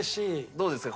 どうですか？